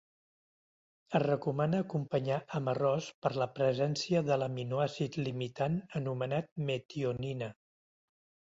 Es recomana acompanyar amb arròs per la presència de l'aminoàcid limitant anomenat metionina.